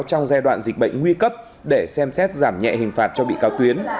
trong giai đoạn dịch bệnh nguy cấp để xem xét giảm nhẹ hình phạt cho bị cáo tuyến